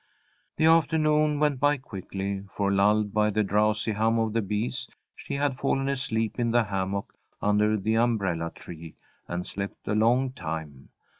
The afternoon went by quickly, for, lulled by the drowsy hum of the bees, she had fallen asleep in the hammock under the umbrella tree, and slept a long time.